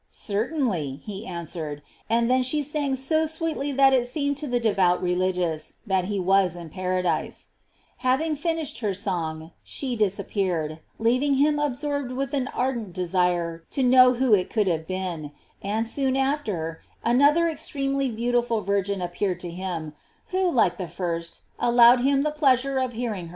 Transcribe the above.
"Certainly," he answered, and then she sang so •weetly that it seemed to the devout religious that he was in paradise. Having finished her song, she disappeared, leaving him absorbed with an ardent desire to know who it could have been; and, soon after, another extremely beautiful virgin appeared to him, who, like the €rst, allowed him the pleasure of hearing her totttttitsm omnium habitetto e*t to te, sancti Del genltrix.